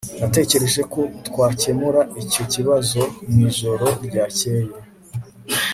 Natekereje ko twakemuye icyo kibazo mwijoro ryakeye